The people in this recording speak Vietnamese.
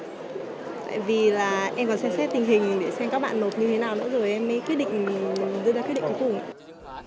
tại vì là em còn xét xét tình hình để xem các bạn nộp như thế nào nữa rồi em mới dựa ra quyết định cuối cùng